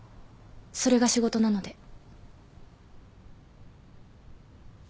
それが仕事なので。